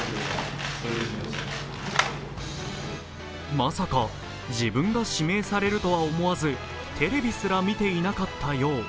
まさか自分が指名されるとは思わずテレビすら見ていなかったよう。